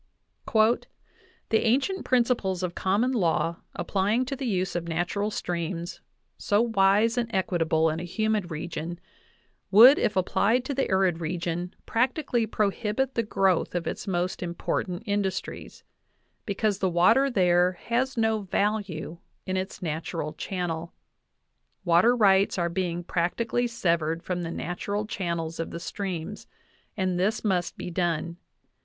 "The ancient principles of common law applying to the use of natural streams, so wise and equitable in a humid region, would, if applied to the arid region, practically prohibit the growth of its most important industries," because the water there "has no value in its nat ural channel. ... Water rights are being practically sev ered from the natural channels of the streams ; and this must be done.